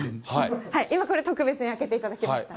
今これ、特別に開けていただきました。